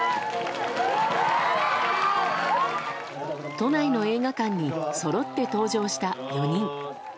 都内の映画館にそろって登場した４人。